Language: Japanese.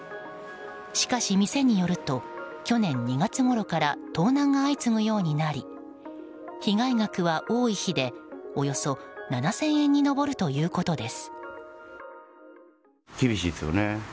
しかし、店によると去年２月ごろから盗難が相次ぐようになり被害額は多い日でおよそ７０００円に上るということです。